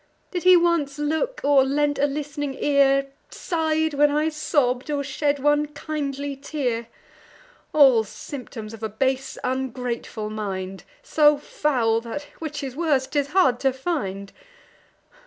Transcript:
Did he once look, or lent a list'ning ear, Sigh'd when I sobb'd, or shed one kindly tear? All symptoms of a base ungrateful mind, So foul, that, which is worse, 'tis hard to find.